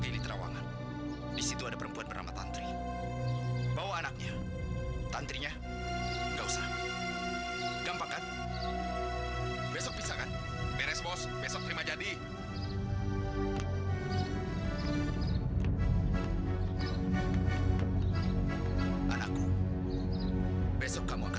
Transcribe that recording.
ini rumahnya ibu tantri